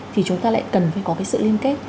thì chúng ta lại cần phải có cái sự liên kết